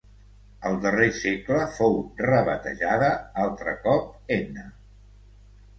Al darrer segle fou rebatejada altre cop Enna.